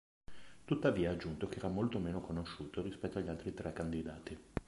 Tuttavia, ha aggiunto che era molto meno conosciuto rispetto agli altri tre candidati.